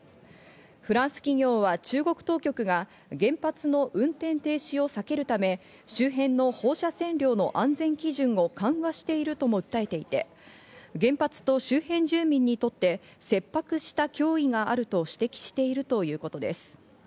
フランス企業は中国当局が原発の運転停止を避けるため、周辺の放射線量の安全基準を緩和しているとも訴えていて、原発と周辺住民にとって切迫した脅威があると指摘しているということです。